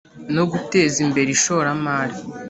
no Guteza Imbere Ishoramari